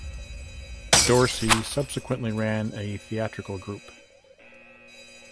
Dorsey subsequently ran a theatrical group.